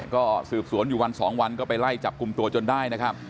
ก็สืบสวนอยู่วัน๒วันก็ไปไล่จับกลุ่มตัวจนได้นะครับ